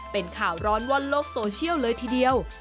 เป็นข่าวร้อนว่อนโลกโซเชียลเลยทีเดียว